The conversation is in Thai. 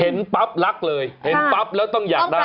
เห็นปั๊บรักเลยเห็นปั๊บแล้วต้องอยากได้